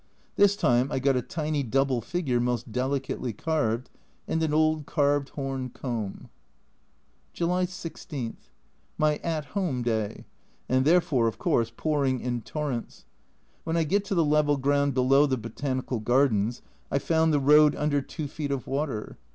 This time 1 got a tiny double figure, most delicately carved, and an old carved horn comb. July 16. My "At Home" day and therefore, of course, pouring in torrents. When I get to the level ground below the Botanical Gardens I found the road under 2 feet of water.